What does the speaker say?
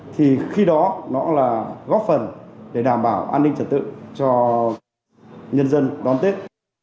thì khi đó nó là góp phần để đảm bảo an ninh trật tự cho nhân dân đón tết